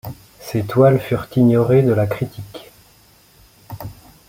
Ces toiles furent ignorées de la critique.